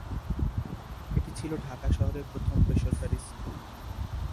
এটি ছিল ঢাকা শহরের প্রথম বেসরকারি স্কুল।